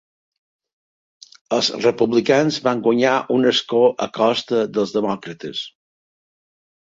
Els republicans van guanyar un escó a costa dels demòcrates.